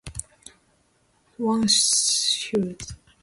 Wang Ci was defeated at the Qin River and retreated.